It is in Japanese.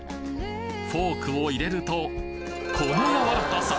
フォークを入れるとこの柔らかさ！